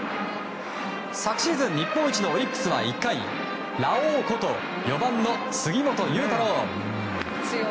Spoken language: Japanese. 昨シーズン日本一のオリックスは１回、ラオウこと４番の杉本裕太郎。